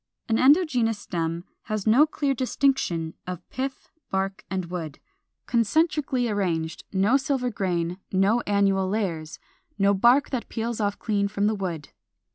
An endogenous stem has no clear distinction of pith, bark, and wood, concentrically arranged, no silver grain, no annual layers, no bark that peels off clean from the wood.